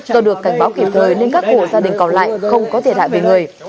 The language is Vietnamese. tôi được cảnh báo kịp thời nên các hộ gia đình còn lại không có thể lại về người